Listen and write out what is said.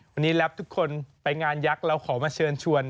วันนี้รับทุกคนไปงานยักษ์เราขอมาเชิญชวน